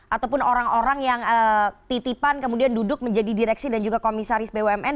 ataupun orang orang yang titipan kemudian duduk menjadi direksi dan juga komisaris bumn